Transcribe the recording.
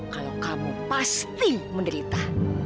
kalau kamu pasti menderita